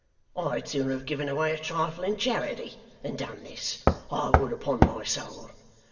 I had sooner have given away a trifle in charity than done this, I would upon my soul.